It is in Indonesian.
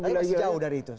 jadi sejauh dari itu